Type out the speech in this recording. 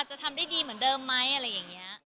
จะทำได้ดีเหมือนเดิมไหมอะไรอย่างนี้